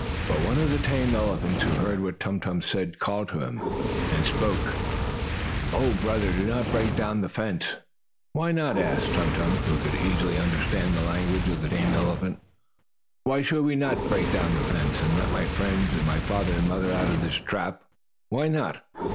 But one of the tame elephants, who heard what Tum Tum said, called to him, and spoke: "Oh, brother. Do not break down the fence." "Why not?" asked Tum Tum, who could easily understand the language of the tame elephant. "Why should I not break the fence, and let my friends, and my father and mother, out of this trap. Why not?"